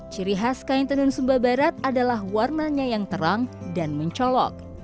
ciri khas kain tenun sumba barat adalah warnanya yang terang dan mencolok